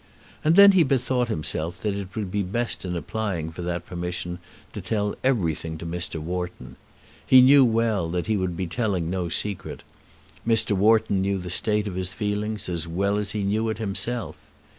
And then he bethought himself that it would be best in applying for that permission to tell everything to Mr. Wharton. He well knew that he would be telling no secret. Mr. Wharton knew the state of his feelings as well as he knew it himself.